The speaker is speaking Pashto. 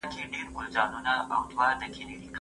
ایا د سمنګان د دره صوف ولسوالۍ د ډبرو سکاره مشهور دي؟